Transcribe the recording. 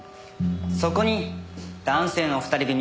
そこに男性のお二人組。